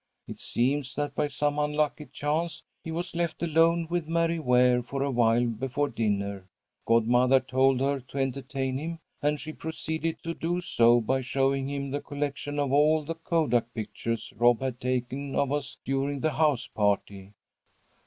It seems that by some unlucky chance he was left alone with Mary Ware for awhile before dinner. Godmother told her to entertain him, and she proceeded to do so by showing him the collection of all the kodak pictures Rob had taken of us during the house party.